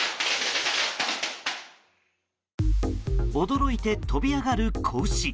驚いて飛び上がる子牛。